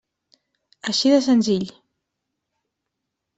Així de senzill.